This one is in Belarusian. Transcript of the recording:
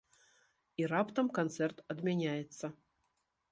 І раптам канцэрт адмяняецца.